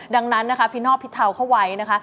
ดังนั้นนะคะพี่นอบพี่เทาเข้าไว้นะคะ